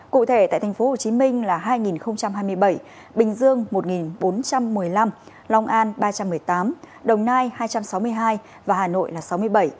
cụ thể tại tp hcm là hai hai mươi bảy bình dương một bốn trăm một mươi năm long an ba trăm một mươi tám đồng nai hai trăm sáu mươi hai và hà nội là sáu mươi bảy